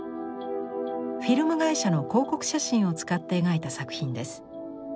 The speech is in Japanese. フィルム会社の広告写真を使って描いた作品です。